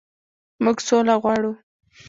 موږ سوله غواړو